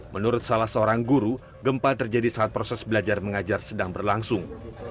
menurut salah seorang guru gempa terjadi saat proses belajar mengajar sedang berlangsung